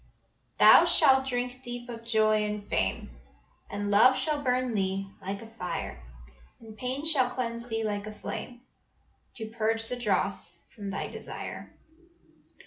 "Thou shalt drink deep of joy and fame, And love shall burn thee like a fire, And pain shall cleanse thee like a flame, To purge the dross from thy desire.